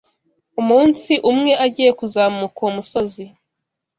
Umunsi umwe agiye kuzamuka uwo musozi.